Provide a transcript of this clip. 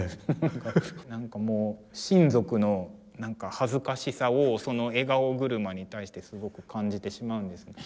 なんかもう親族の恥ずかしさをその「笑顔車」に対してすごく感じてしまうんです。